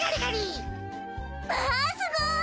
まあすごい！